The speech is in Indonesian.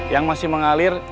yang masih mengalir